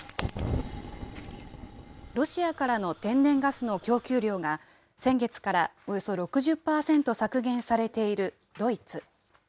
ロシアからの天然ガスの供給量が、先月からおよそ６０％削減されているドイツ。